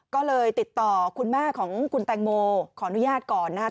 ก็เลยติดต่อคุณแม่ของคุณแตงโมขออนุญาตก่อนนะครับ